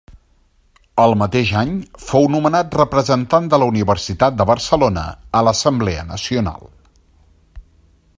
El mateix any fou nomenat representant de la Universitat de Barcelona a l'Assemblea Nacional.